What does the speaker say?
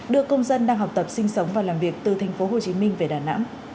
đưa công dân đang học tập sinh sống và làm việc từ thành phố hồ chí minh về đà nẵng